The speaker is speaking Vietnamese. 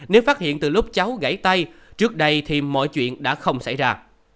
nếu phát hiện từ lúc cháu gãy tay trước đây thì mọi chuyện đã không xảy ra